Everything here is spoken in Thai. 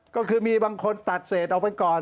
ก็คือมีบางคนตัดเศษออกไปก่อน